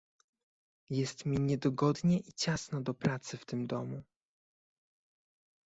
"jest mi niedogodnie i ciasno do pracy w tym domu."